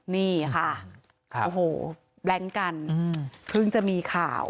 นี่ค่ะโอ้โหแบล็งกันเพิ่งจะมีข่าว